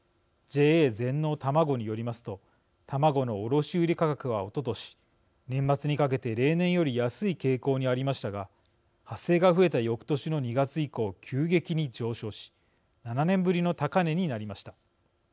ＪＡ全農たまごによりますと卵の卸売価格は、おととし年末にかけて例年より安い傾向にありましたが発生が増えたよくとしの２月以降急激に上昇し７年ぶりの高値になりました。